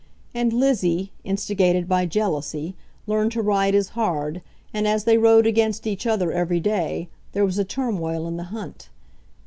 And Lizzie, instigated by jealousy, learned to ride as hard, and as they rode against each other every day, there was a turmoil in the hunt.